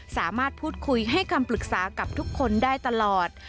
สามารถพูดคุยให้คำปรึกษากับทุกคนได้ตลอด